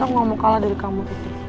aku gak mau kalah dari kamu itu